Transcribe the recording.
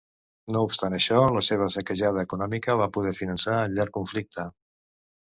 No obstant això la seva saquejada economia va poder finançar el llarg conflicte.